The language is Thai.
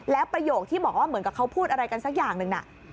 แล้วประโยคที่บอกว่าเหมือนกับเขาพูดอะไรกันสักอย่างหนึ่งน่ะ